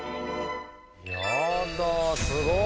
やだすごい。